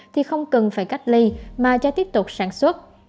thì không cần phải cách ly mà cho tiếp tục sản xuất